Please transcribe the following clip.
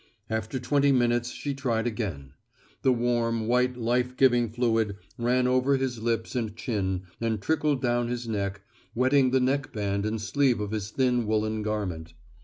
After twenty minutes she tried again. The warm, white life giving fluid ran over his lips and chin, and trickled down his neck, wetting the neckband and sleeve of his thin woolen garment.